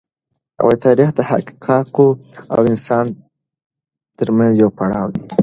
تاریخ د حقایقو او انسان تر منځ یو پړاو دی.